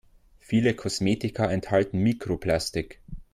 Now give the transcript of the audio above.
Viele Kosmetika enthalten Mikroplastik.